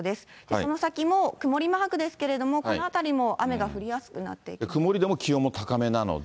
その先も曇りマークですけれども、このあたりも雨が降りやすくなっ曇りでも気温も高めなので。